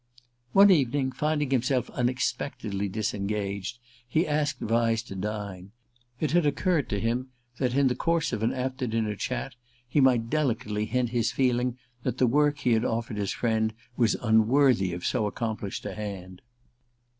One evening, finding himself unexpectedly disengaged, he asked Vyse to dine; it had occurred to him that, in the course of an after dinner chat, he might delicately hint his feeling that the work he had offered his friend was unworthy so accomplished a hand.